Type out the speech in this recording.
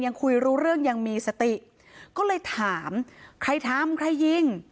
คุยรู้เรื่องยังมีสติก็เลยถามใครทำใครยิง